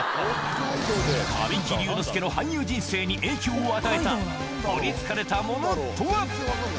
神木隆之介の俳優人生に影響を与えた、取りつかれたものとは。